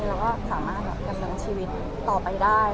แล้วก็สามารถดำเนินชีวิตต่อไปได้